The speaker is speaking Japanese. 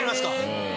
うん。